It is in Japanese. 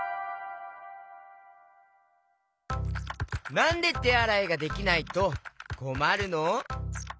なんでてあらいができないとこまるの？